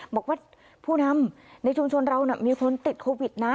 บอกว่าผู้นำในชุมชนเรามีคนติดโควิดนะ